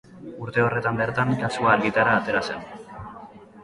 Urte horretan bertan kasua argitara atera zen.